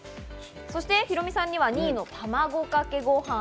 そしてヒロミさんには２位の卵かけごはん。